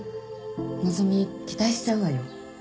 希期待しちゃうわよ